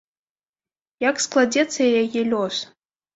Як складзецца яе лёс.